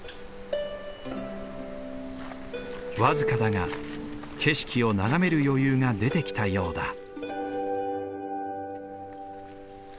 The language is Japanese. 僅かだが景色を眺める余裕が出てきたようだ。